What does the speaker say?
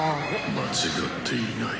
「間違っていない。